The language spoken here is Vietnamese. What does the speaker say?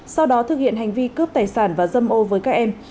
sau đó thực hiện hành vi cướp tài sản và dâm ô với các em